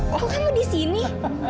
kok kamu disini